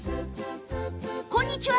こんにちは！